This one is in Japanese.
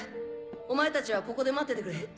お前たちはここで待っててくれ。